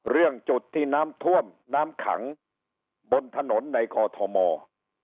เรื่องจุดที่น้ำท่วมน้ำขังบนถนนในกอทม